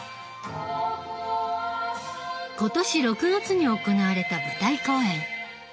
今年６月に行われた舞台公演。